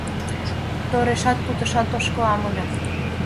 Торешат-кутышат ошкылам ыле.